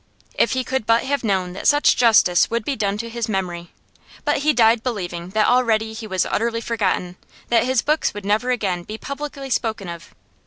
If he could but have known that such justice would be done to his memory! But he died believing that already he was utterly forgotten, that his books would never again be publicly spoken of.